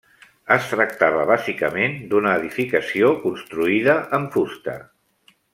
Es tractava bàsicament d'una edificació construïda amb fusta.